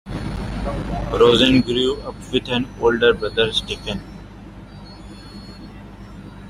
Rosen grew up with an older brother, Stephen.